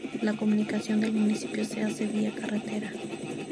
La comunicación del municipio se hace vía carretera.